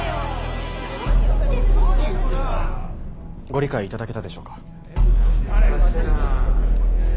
ご理解いただけたでしょうか。